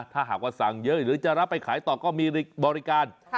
ถ้าหากว่าสั่งเยอะหรือจะรับไปขายต่อก็มีบริการ